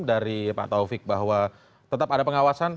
dari pak taufik bahwa tetap ada pengawasan